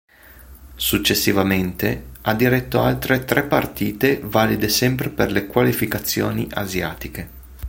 Successivamente, ha diretto altre tre partite valide sempre per le qualificazioni asiatiche.